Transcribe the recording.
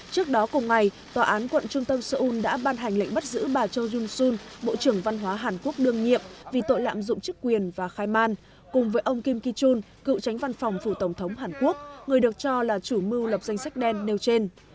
trước đó cùng ngày tòa án quận trung tâm seoul đã ban hành lệnh bắt giữ bà châu jun sun bộ trưởng văn hóa hàn quốc đương nhiệm vì tội lạm dụng chức quyền và khai man cùng với ông kim kion cựu tránh văn phòng phủ tổng thống hàn quốc người được cho là chủ mưu lập danh sách đen nêu trên